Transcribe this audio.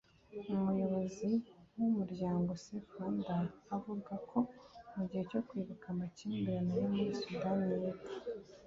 Umuyobozi w’umuryango Safer Rwanda avuga ko mu gihe cyo kwibuka amakimbirane yo muri Sudani y’Epfo